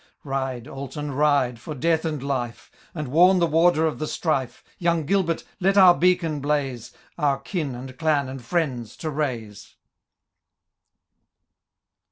— Ride, Alton, ride, for death and life ! And warn the Warder of the strife. Young Gilbert, let our beacon blaze. Our kin, and clan, and friends, to luisc.